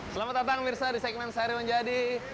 selamat datang mirsa di segmen sehari menjadi